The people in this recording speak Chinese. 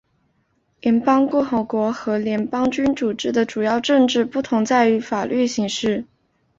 联邦共和国和联邦君主制的主要政治不同在于法律形式。